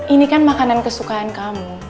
ini kan makanan kesukaan kamu